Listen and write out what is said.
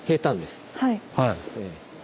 はい。